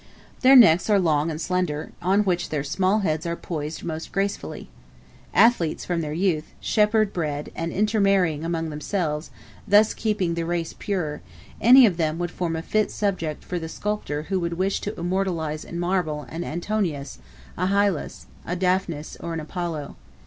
Their necks are long and slender, on which their small heads are poised most gracefully. Athletes from their youth, shepherd bred, and intermarrying among themselves, thus keeping the race pure, any of them would form a fit subject for the sculptor who would wish to immortalize in marble an Antinous, a Hylas, a Daphnis, or an Apollo.